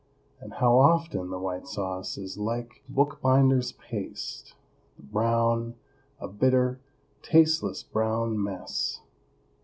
And how often the white sauce is like bookbinder's paste, the brown, a bitter, tasteless brown mess!